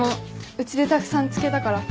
うちでたくさん漬けたから。